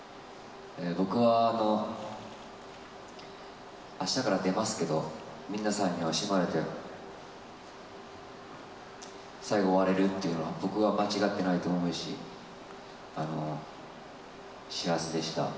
僕はあしたから出ますけど、皆さんに惜しまれて最後終われるっていうのは、僕は間違ってないと思うし、幸せでした。